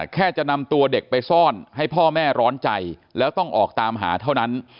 แค่จะนำตัวเด็กไปซ่อนให้พ่อแม่ร้อนใจแล้วต้องออกตามหาเท่านั้น